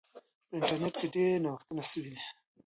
په انټرنیټ کې ډیر نوښتونه سوي دي.